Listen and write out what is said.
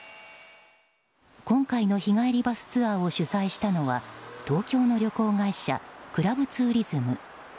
今回の日帰りバスツアーを主催したのは東京の旅行会社クラブツーリズム。